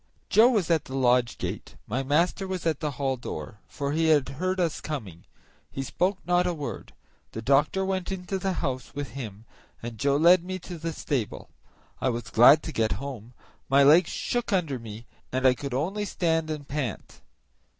Joe was at the lodge gate; my master was at the hall door, for he had heard us coming. He spoke not a word; the doctor went into the house with him, and Joe led me to the stable. I was glad to get home; my legs shook under me, and I could only stand and pant.